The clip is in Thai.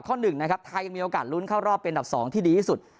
ข้อหนึ่งนะครับไทยยังมีโอกาสรุ้นเข้ารอบเป็นดับสองที่ดีที่สุด